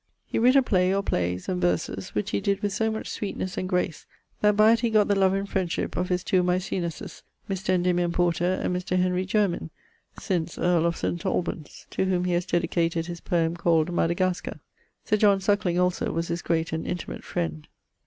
He writt a play or playes, and verses, which he did with so much sweetnesse and grace, that by it he got the love and friendship of his two Mecaenasses, Mr. Endymion Porter, and Mr. Henry Jermyn (since earl of St. Albans), to whom he has dedicated his poem called Madegascar. Sir John Suckling also was his great and intimate friend.